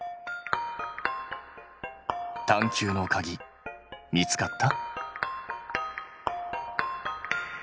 探究のかぎ見つかった？